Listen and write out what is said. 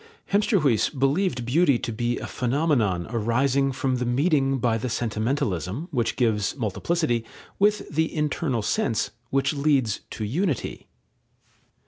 Hemsterhuis believed beauty to be a phenomenon arising from the meeting by the sentimentalism, which gives multiplicity, with the internal sense, which tends to unity.